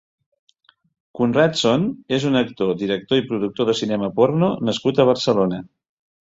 Conrad Son és un actor, director i productor de cinema porno nascut a Barcelona.